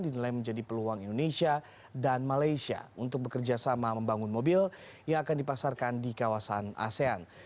dinilai menjadi peluang indonesia dan malaysia untuk bekerja sama membangun mobil yang akan dipasarkan di kawasan asean